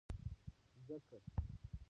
ځکه